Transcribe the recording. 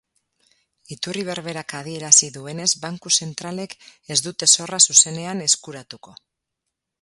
Iturri berberak adierazi duenez, banku zentralek ez dute zorra zuzenean eskuratuko.